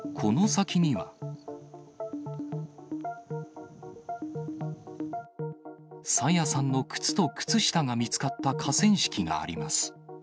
朝芽さんの靴と靴下が見つかった河川敷があります。